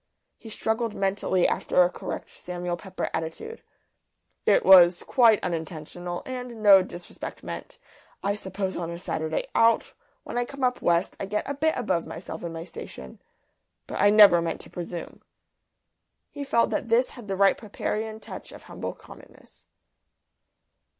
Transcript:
He struggled mentally after a correct Samuel Pepper attitude. "It was quite unintentional, and no disrespect meant. I suppose on a Saturday out, when I come up West, I get a bit above myself and my station. But I never meant to presume." He felt that this had the right Pepperian touch of humble commonness.